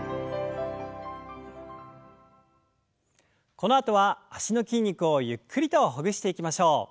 このあとは脚の筋肉をゆっくりとほぐしていきましょう。